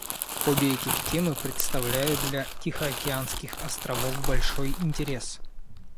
Обе эти темы представляют для тихоокеанских островов большой интерес.